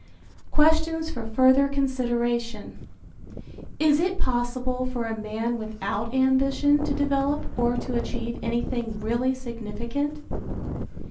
Questions for Further Consideration. Is it possible for a man without ambition to develop or to achieve anything really significant?